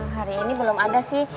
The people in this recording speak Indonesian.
hari ini belum ada sih